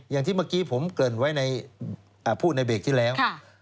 อย่างที่เมื่อกี้ผมเกริ่นไว้พูดในเบรกที่แล้ว